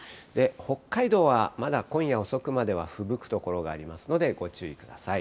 北海道はまだ今夜遅くまではふぶく所がありますので、ご注意ください。